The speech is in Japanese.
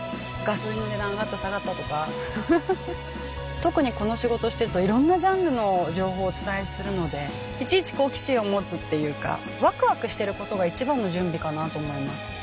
特にこの仕事をしているといろんなジャンルの情報をお伝えするのでいちいち好奇心を持つっていうかワクワクしてることが一番の準備かなと思います。